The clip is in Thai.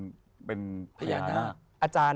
พระพุทธพิบูรณ์ท่านาภิรม